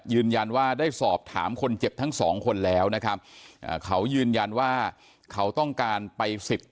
ยืนยันว่าได้สอบถามคนเจ็บทั้งสองคนแล้วนะครับอ่าเขายืนยันว่าเขาต้องการไปสิทธิ์